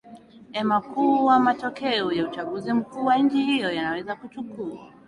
ema kuwa matokeo ya uchaguzi mkuu wa nchi hiyo yanaweza kuchukua